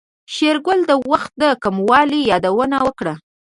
شېرګل د وخت د کموالي يادونه وکړه.